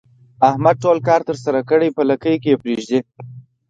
احمد ټول کار ترسره کړي په لکۍ کې یې پرېږدي.